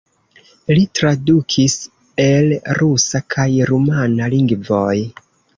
Li tradukis el rusa kaj rumana lingvoj.